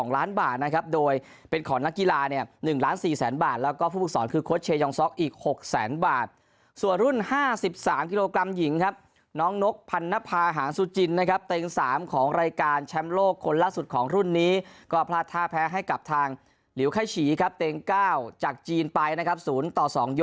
ล้านบาทนะครับโดยเป็นของนักกีฬาเนี่ย๑ล้าน๔แสนบาทแล้วก็ผู้ฝึกสอนคือโค้ชเชยองซ็อกอีก๖แสนบาทส่วนรุ่น๕๓กิโลกรัมหญิงครับน้องนกพันนภาหางสุจินนะครับเต็ง๓ของรายการแชมป์โลกคนล่าสุดของรุ่นนี้ก็พลาดท่าแพ้ให้กับทางหลิวไข้ฉีครับเต็ง๙จากจีนไปนะครับ๐ต่อ๒๒